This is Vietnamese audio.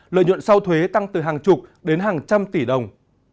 lợi nhuận sau thuế tăng từ hàng chục đến hàng trăm tỷ đồng